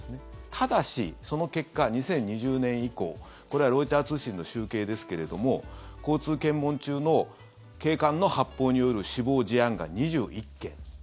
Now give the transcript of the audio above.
ただし、その結果２０２０年以降これはロイター通信の集計ですけれども交通検問中の警官の発砲による死亡事案が２１件。